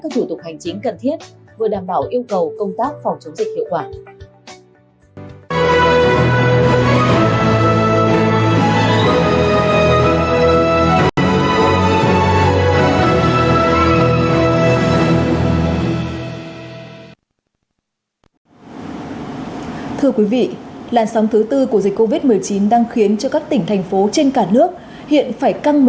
các thủ tục hành chính cần thiết vừa đảm bảo yêu cầu công tác phòng chống dịch hiệu quả